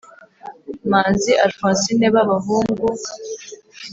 Manzi Alphonsine b abahungu